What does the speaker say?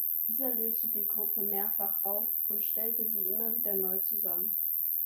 Dieser löste die Gruppe mehrfach auf und stellte sie immer wieder neu zusammen.